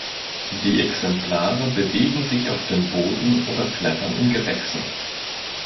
Die Exemplare bewegen sich auf dem Boden oder klettern in Gewächsen.